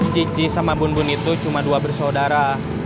cici sama bun bun itu cuma dua bersaudara